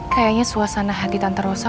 kayaknya suasana hati tante rosa